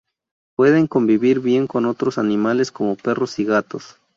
Pueden convivir bien con otros animales como perros y gatos.